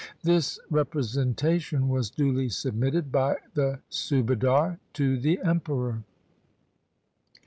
1 This representation was duly submitted by the Subadar to the Emperor.